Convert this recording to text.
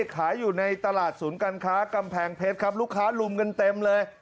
ขายอยู่ในตลาดศูนย์การค้ากำแพงเพชรครับลูกค้าลุมกันเต็มเลย